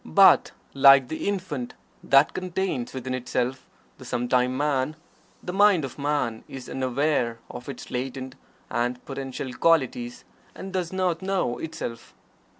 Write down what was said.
But like the infant that contains within itself the sometime Man, the mind of Man is unaware of its latent and potential qualities, and does not know itself.